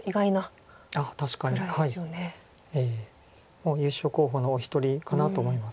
もう優勝候補のお一人かなと思います。